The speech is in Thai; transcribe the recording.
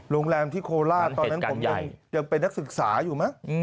โรงแรมที่โคราชตอนนั้นผมยังเป็นนักศึกษาอยู่มั้ง